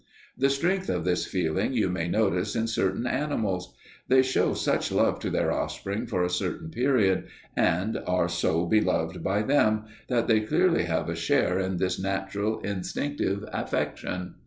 The strength of this feeling you may notice in certain animals. They show such love to their offspring for a certain period, and are so beloved by them, that they clearly have a share in this natural, instinctive affection.